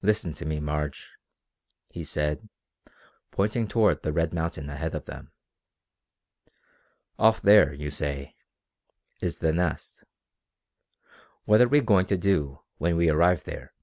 "Listen to me, Marge," he said, pointing toward the red mountain ahead of them. "Off there, you say, is the Nest. What are we going to do when we arrive there?"